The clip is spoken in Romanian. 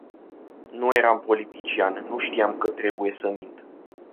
Nu eram politician, nu știam că trebuie să mint.